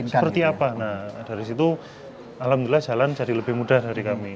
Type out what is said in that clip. seperti apa nah dari situ alhamdulillah jalan jadi lebih mudah dari kami